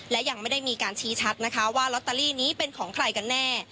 และยังไม่ได้มีการชี้ชัดนะคะว่าลอตเตอรี่นี้เป็นของใครกันแน่